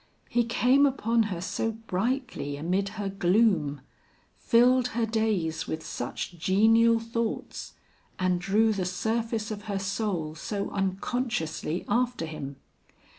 He came upon her so brightly amid her gloom; filled her days with such genial thoughts, and drew the surface of her soul so unconsciously after him.